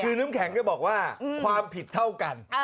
คือน้ำแข็งแกบอกว่าความผิดเท่ากัน